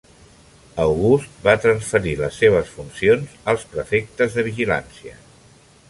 August va transferir les seves funcions als prefectes de vigilància.